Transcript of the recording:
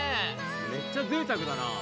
めっちゃぜいたくだな。